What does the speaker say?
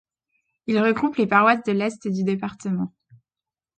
Il regroupe les paroisses de l'Est du département.